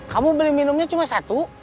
kamu beli minumnya cuma satu